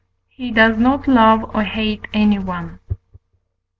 he does not love or hate anyone.